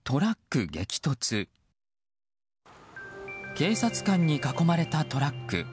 警察官に囲まれたトラック。